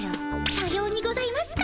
さようにございますか。